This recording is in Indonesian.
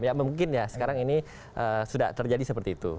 ya mungkin ya sekarang ini sudah terjadi seperti itu